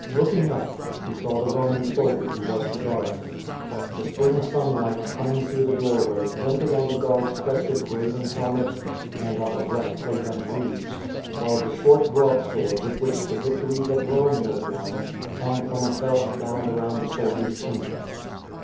Looking up he saw the Roman soldier who was to guard him. The spring sunlight coming through the door way glinted on the guard's crested brazen helmet and on the breastplate and greaves, while the short broad sword with which the victories of Rome were won hung from a belt bound around the soldier's tunic.